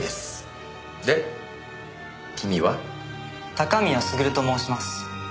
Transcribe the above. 高宮優と申します。